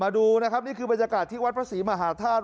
ดูนะครับนี่คือบรรยากาศที่วัดพระศรีมหาธาตุ